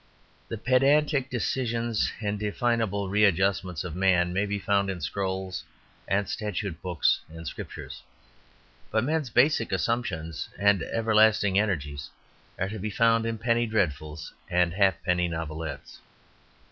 The pedantic decisions and definable readjustments of man may be found in scrolls and statute books and scriptures; but men's basic assumptions and everlasting energies are to be found in penny dreadfuls and halfpenny novelettes.